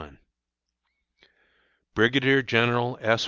_Brigadier General S.